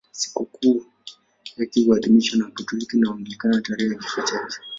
Sikukuu yake huadhimishwa na Wakatoliki na Waanglikana tarehe ya kifo chake.